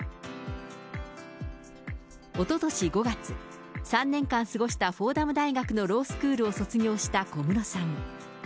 おととし５月、３年間過ごしたフォーダム大学のロースクールを卒業した小室さん。